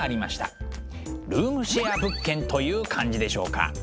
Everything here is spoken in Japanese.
ルームシェア物件という感じでしょうか。